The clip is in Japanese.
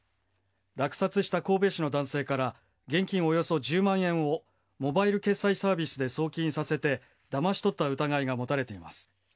落札した神戸市の男性から、現金およそ１０万円をモバイル決済サービスで送金させて、だまし取った疑いが持たれています。